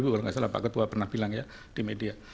kalau nggak salah pak ketua pernah bilang ya di media